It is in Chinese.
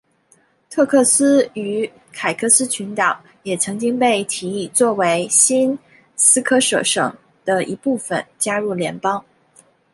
特克斯与凯科斯群岛也曾经被提议作为新斯科舍省的一部分加入联邦。